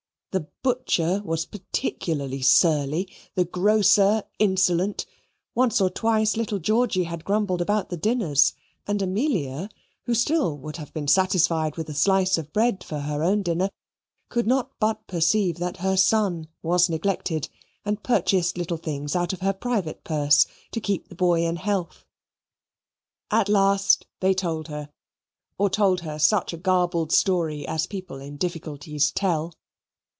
The butcher was particularly surly, the grocer insolent: once or twice little Georgy had grumbled about the dinners, and Amelia, who still would have been satisfied with a slice of bread for her own dinner, could not but perceive that her son was neglected and purchased little things out of her private purse to keep the boy in health. At last they told her, or told her such a garbled story as people in difficulties tell.